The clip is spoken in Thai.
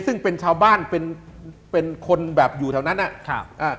เลซึ่งเป็นชาวบ้านเป็นคนแบบอยู่เท่านั้นน่ะ